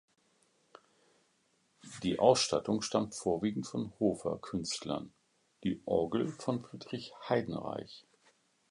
Die Ausstattung stammt vorwiegend von Hofer Künstlern, die Orgel von Friedrich Heidenreich.